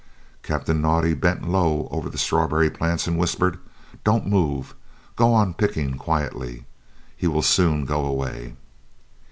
Captain Naudé bent low over the strawberry plants and whispered: "Don't move. Go on picking quietly. He will soon go away."